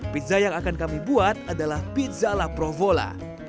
pizza yang akan kami buat adalah pizza la provola